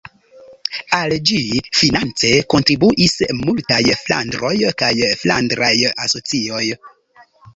Al ĝi finance kontribuis multaj flandroj kaj flandraj asocioj.